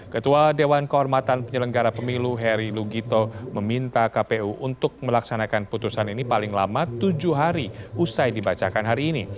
ketua dewan kehormatan penyelenggara pemilu heri lugito meminta kpu untuk melaksanakan putusan ini paling lama tujuh hari usai dibacakan hari ini